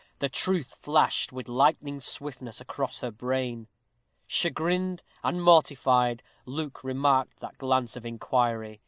The truth flashed with lightning swiftness across her brain. Chagrined and mortified, Luke remarked that glance of inquiry.